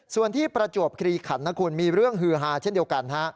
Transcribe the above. ส่วนที่ประจวบคลีขันนะคุณมีเรื่องฮือฮาเช่นเดียวกัน